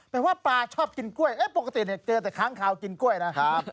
แม้ว่าปลาชอบกินกล้วยปกติเกิดแต่ครั้งขาวกินกล้วยนะ